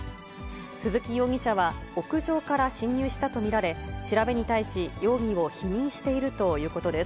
鈴木容疑者は屋上から侵入したと見られ、調べに対し容疑を否認しているということです。